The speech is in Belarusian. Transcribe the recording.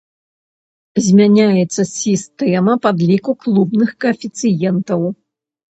Змяняецца сістэма падліку клубных каэфіцыентаў.